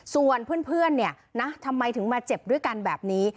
ส่วนเพื่อนเนี่ยนะทำไมถึงมาเจ็บด้วยกันแบบนี้